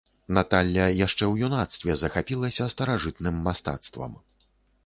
Наталля яшчэ ў юнацтве захапілася старажытным мастацтвам.